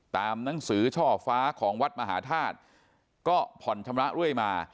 หนังสือช่อฟ้าของวัดมหาธาตุก็ผ่อนชำระเรื่อยมา